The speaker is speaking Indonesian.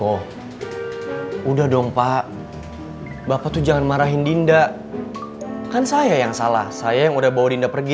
oh udah dong pak bapak tuh jangan marahin dinda kan saya yang salah saya yang udah bawa dinda pergi